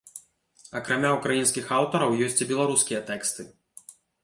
Акрамя ўкраінскіх аўтараў, ёсць і беларускія тэксты.